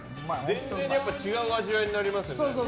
全然違う味わいになりますね。